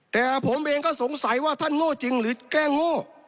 แต่ผมเองก็สงสัยว่าท่านโง่จริงหรือแกล้งโง่